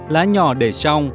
lá nhỏ để trong